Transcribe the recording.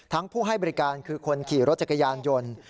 ผู้ให้บริการคือคนขี่รถจักรยานยนต์